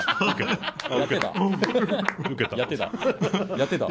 やってた？